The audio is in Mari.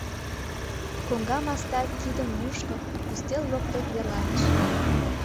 Коҥга мастар кидым мушко, ӱстел воктек верланыш.